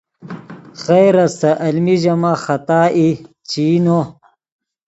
خیر استت المی ژے ماخ خطا ای چے ای نو